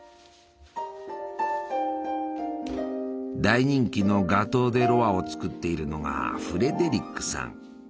大人気のガトー・デ・ロワを作っているのがフレデリックさん。